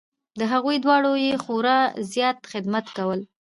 د هغو دواړو یې خورا زیات خدمت کول .